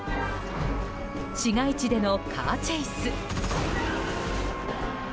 市街地でのカーチェイス。